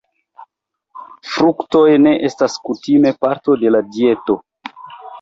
Fruktoj ne estas kutime parto de la dieto.